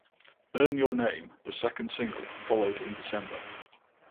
"Burn Your Name", the second single, followed in December.